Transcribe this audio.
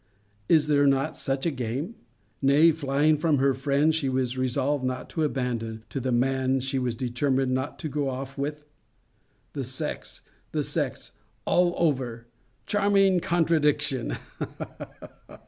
Is there not such a game? Nay, flying from her friends she was resolved not to abandon, to the man she was determined not to go off with? The sex! the sex, all over! Charming contradiction!